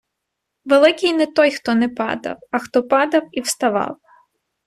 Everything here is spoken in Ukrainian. Великий не той хто не падав, а хто падав і вставав